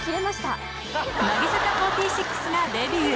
乃木坂４６がデビュー。